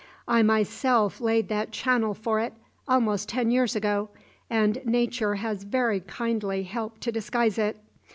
I myself laid that channel for it, almost ten years ago, and Nature has very kindly helped to disguise it.